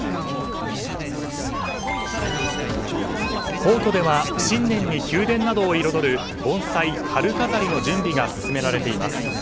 皇居では新年に宮殿などを彩る盆栽、春飾りの準備が進められています。